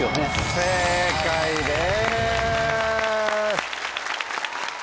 正解です。